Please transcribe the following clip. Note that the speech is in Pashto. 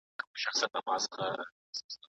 شاګرد څېړونکی باید وهڅول سي چي کار په سمه توګه وکړي.